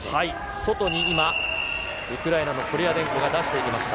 外に今、ウクライナのコリアデンコが出していきました。